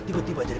tidak ada masalah